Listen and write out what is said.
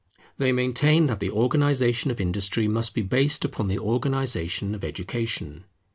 They maintain that the organization of Industry must be based upon the organization of Education.